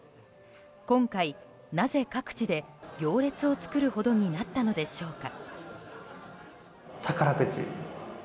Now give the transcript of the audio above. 今回、なぜ各地で行列を作るほどになったのでしょうか。